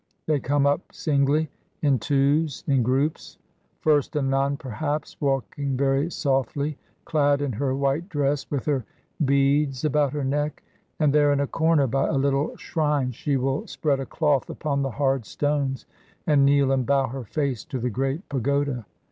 They come up singly, in twos, in groups. First a nun, perhaps, walking very softly, clad in her white dress with her beads about her neck, and there in a corner by a little shrine she will spread a cloth upon the hard stones and kneel and bow her face to the great pagoda.